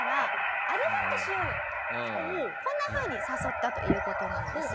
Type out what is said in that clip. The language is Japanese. こんなふうに誘ったという事なんです。